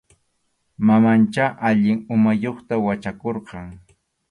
Mamanchá allin umayuqta wachakurqan.